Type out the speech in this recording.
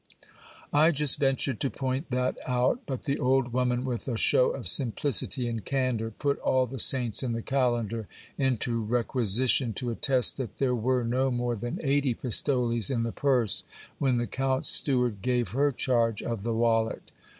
I just ventured to point that out ; but the old woman, with a shew of simplicity and candour, put all the saints in the calendar into requisition to attest that there were no more than eighty pistoles in the purse when the count's steward gave her charge of the wallet.